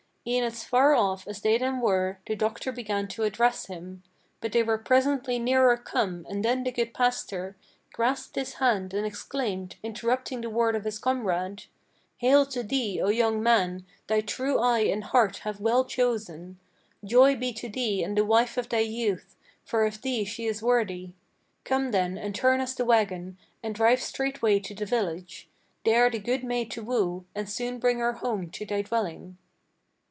E'en as far off as they then were, the doctor began to address him; But they were presently nearer come and then the good pastor Grasped his hand and exclaimed, interrupting the word of his comrade: "Hail to thee, O young man! thy true eye and heart have well chosen; Joy be to thee and the wife of thy youth; for of thee she is worthy. Come then and turn us the wagon, and drive straightway to the village, There the good maid to woo, and soon bring her home to thy dwelling."